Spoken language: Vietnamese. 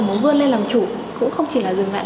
muốn vươn lên làm chủ cũng không chỉ là dừng lại